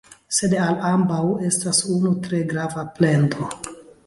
Sed al ambaŭ estas unu tre grava plendo.